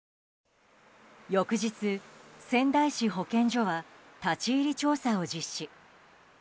翌日、仙台市保健所は立ち入り調査を実施。